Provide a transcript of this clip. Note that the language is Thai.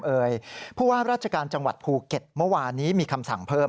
ผู้ว่าราชการจังหวัดภูเก็ตเมื่อวานนี้มีคำสั่งเพิ่ม